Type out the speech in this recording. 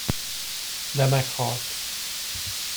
De meghalt.